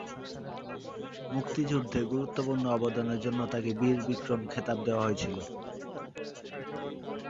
মুক্তিযুদ্ধে গুরুত্বপূর্ণ অবদানের জন্য তাকে ‘বীর বিক্রম’ খেতাব দেয়া হয়েছিল।